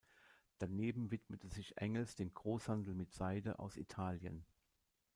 Daneben widmete sich Engels dem Großhandel mit Seide aus Italien.